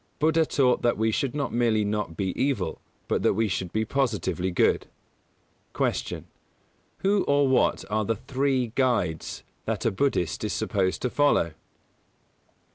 Buddha taught that we should not merely not be evil, but that we should be positively good. 149. Q. _Who or what are the "Three Guides" that a Buddhist Is supposed to follow?